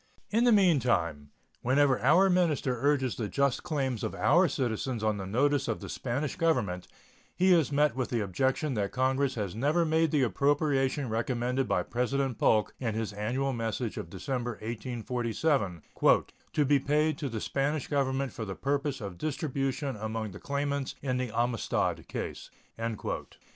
In the meantime, whenever our minister urges the just claims of our citizens on the notice of the Spanish Government he is met with the objection that Congress has never made the appropriation recommended by President Polk in his annual message of December, 1847, "to be paid to the Spanish Government for the purpose of distribution among the claimants in the Amistad case."